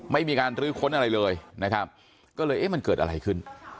ไม่มีการลื้อค้นอะไรเลยนะครับก็เลยเอ๊ะมันเกิดอะไรขึ้น